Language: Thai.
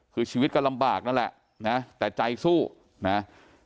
คือชีวิตก็ลำบากนั่นแหละนะแต่ใจสู้นะ